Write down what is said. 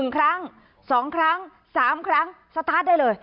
๑ครั้ง๒ครั้ง๓ครั้งสตาร์ทได้เลย